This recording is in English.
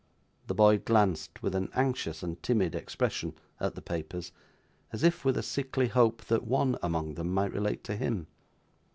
The boy glanced, with an anxious and timid expression, at the papers, as if with a sickly hope that one among them might relate to him.